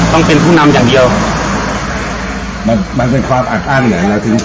ต้องเป็นผู้นำอย่างเดียวมันมันเป็นความอัดอั้นเหมือนเราถึง